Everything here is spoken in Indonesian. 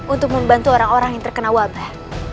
untuk membantu orang orang yang terkena wabah